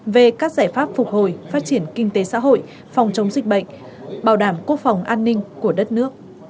về các giải pháp phục hồi phát triển kinh tế xã hội phòng chống dịch bệnh bảo đảm quốc phòng an ninh của đất nước